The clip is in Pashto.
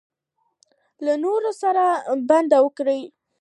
له نورو سره ښه چلند اخلاق دی.